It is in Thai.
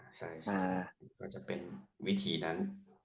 ใช่ก็จะเป็นวิธีนั้น